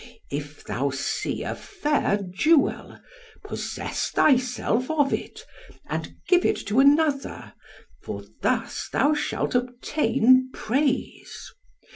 If thou see a fair jewel, possess thyself of it, and give it to another, for thus thou shalt obtain praise.